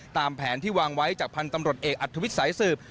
ตามแผนที่วางไว้จากพันธุ์ตำรวจเอกอัธวิทย์สายสืบ